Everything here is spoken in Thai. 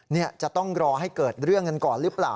นี่จะต้องรอให้เกิดเรื่องกันก่อนหรือเปล่า